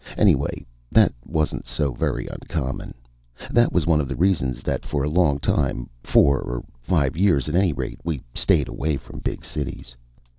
Anyway, that wasn't so very uncommon. That was one of the reasons that for a long time four or five years, at any rate we stayed away from big cities.